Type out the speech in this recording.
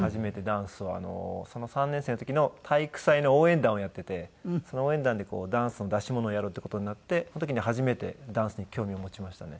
その３年生の時の体育祭の応援団をやっていてその応援団でダンスの出し物をやるっていう事になってその時に初めてダンスに興味を持ちましたね。